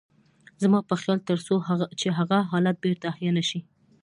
زما په خيال تر څو چې هغه حالت بېرته احيا نه شي.